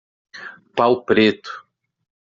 Pau preto